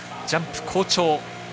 ジャンプ好調。